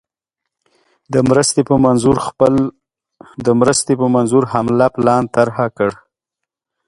د مرستي په منظور حمله پلان طرح کړ.